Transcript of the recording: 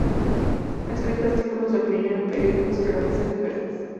Ha escrito artículos de opinión en periódicos y revistas diversas.